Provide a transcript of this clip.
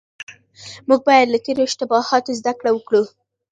موږ بايد له تېرو اشتباهاتو زده کړه وکړو.